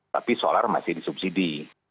tapi solar masih disubsidi